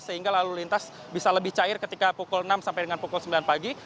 sehingga lalu lintas bisa lebih cair ketika pukul enam sampai dengan pukul sembilan pagi